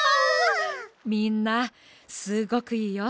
みんなすごくいいよ。